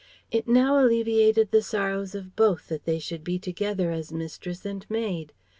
It now alleviated the sorrows of both that they should be together as mistress and maid.